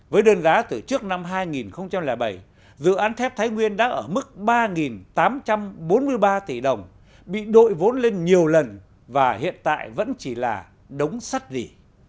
với đơn giá từ trước năm hai nghìn bảy dự án thép thái nguyên đã ở mức ba tám trăm bốn mươi ba tỷ đồng bị đội vốn lên nhiều lần và hiện tại vẫn chỉ là đống sắt gì